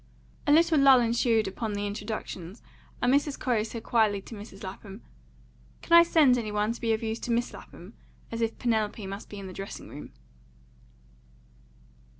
A little lull ensued upon the introductions, and Mrs. Corey said quietly to Mrs. Lapham, "Can I send any one to be of use to Miss Lapham?" as if Penelope must be in the dressing room.